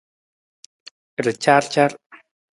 Racarcar.